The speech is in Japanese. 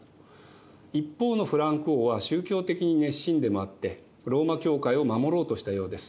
一方のフランク王は宗教的に熱心でもあってローマ教会を守ろうとしたようです。